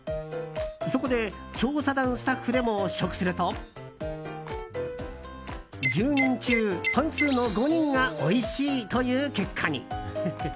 そこで調査団スタッフでも試食すると１０人中、半数の５人がおいしいという結果に。